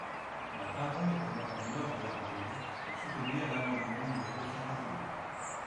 La parole est à Madame Laure de La Raudière, pour soutenir l’amendement numéro cinquante-deux.